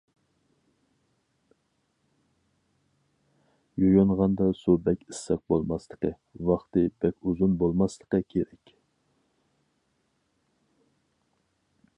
يۇيۇنغاندا سۇ بەك ئىسسىق بولماسلىقى، ۋاقتى بەك ئۇزۇن بولماسلىقى كېرەك.